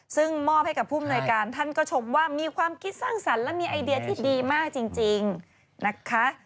ซึ่งมอบให้กับผู้มนวยการท่านก็ชมว่ามีความคิดสร้างสรรค์และมีไอเดียที่ดีมากจริงนะคะ